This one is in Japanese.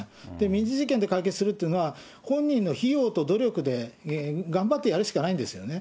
民事事件で解決するっていうのは、本人の費用と努力で頑張ってやるしかないんですよね。